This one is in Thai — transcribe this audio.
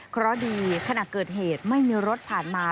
เพราะดีขณะเกิดเหตุไม่มีรถผ่านมา